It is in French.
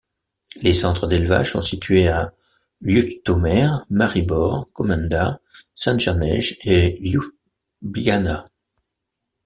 Les centres d'élevage sont situés à Ljutomer, Maribor, Komenda, Šentjernej et Ljubljana.